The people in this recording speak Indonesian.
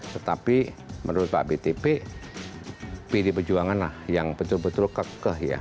tetapi menurut pak btp pdi perjuangan lah yang betul betul kekeh ya